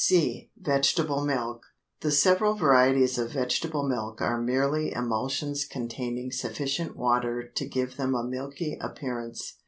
C. Vegetable Milk. The several varieties of vegetable milk are merely emulsions containing sufficient water to give them a milky appearance.